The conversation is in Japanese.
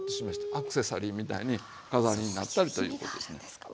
アクセサリーみたいに飾りになったりということですね。